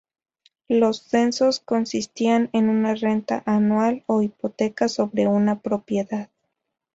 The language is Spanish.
Los censos consistían en una renta anual o hipoteca sobre una propiedad.